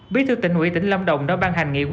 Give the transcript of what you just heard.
bí thư tỉnh hủy tỉnh lâm đồng đã ban hành nghị sử